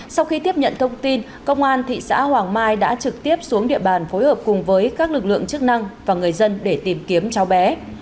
sau khi tiếp nhận thông tin công an thị xã hoàng mai đã trực tiếp xuống địa bàn phối hợp cùng với các lực lượng chức năng và người dân để tìm kiếm cháu bé